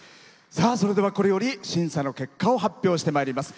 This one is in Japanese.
それでは、これより審査の結果を発表してまいります。